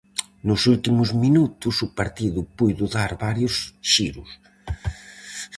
Nos últimos minutos o partido puido dar varios xiros.